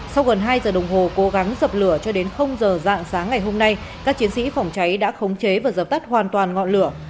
sau gần hai giờ đồng hồ cố gắng dập lửa cho đến giờ dạng sáng ngày hôm nay các chiến sĩ phòng cháy đã khống chế và dập tắt hoàn toàn ngọn lửa